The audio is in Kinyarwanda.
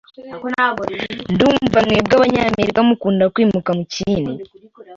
Ndumva mwebwe abanyamerika mukunda kwimuka mukindi.